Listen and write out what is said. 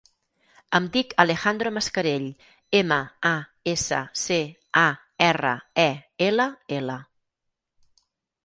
Em dic Alejandro Mascarell: ema, a, essa, ce, a, erra, e, ela, ela.